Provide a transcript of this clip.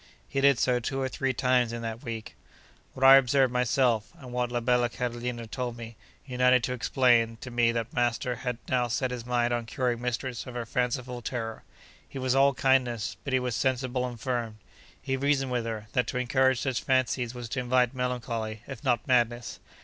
He did so two or three times in that week. What I observed myself, and what la bella Carolina told me, united to explain to me that master had now set his mind on curing mistress of her fanciful terror. He was all kindness, but he was sensible and firm. He reasoned with her, that to encourage such fancies was to invite melancholy, if not madness.